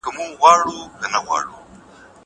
زه اجازه لرم چي زده کړه وکړم!!